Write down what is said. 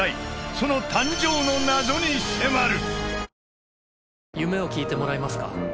その誕生の謎に迫る！